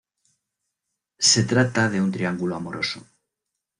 Se trata de un triángulo amoroso.